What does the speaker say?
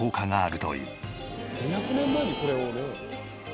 ２００年前にこれをね。